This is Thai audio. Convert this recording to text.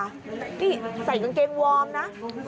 นี่ใส่กางเกงวอร์มนะ